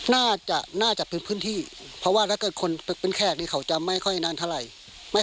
น่าจะน่าจะเป็นพื้นที่เพราะว่าถ้าเกิดคนเป็นแขกนี้เขาจะไม่ค่อยนานเท่าไหร่